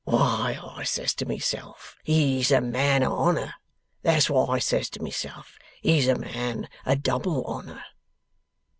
Why, I says to myself; "He's a man o' honour." That's what I says to myself. "He's a man o' double honour."